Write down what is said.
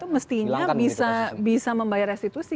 mestinya bisa membayar restitusi